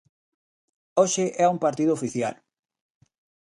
Hoxe é un partido oficial.